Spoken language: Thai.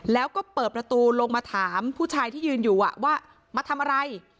แล้วก็เปิดประตูลงมาถามผู้ชายที่ยืนอยู่ว่ามาทำอะไร